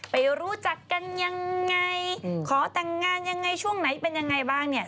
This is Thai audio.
ไปรู้จักกันยังไงขอแต่งงานยังไงช่วงไหนเป็นยังไงบ้างเนี่ย